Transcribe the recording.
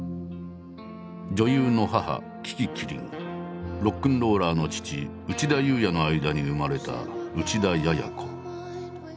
女優の母樹木希林ロックンローラーの父内田裕也の間に生まれた内田也哉子。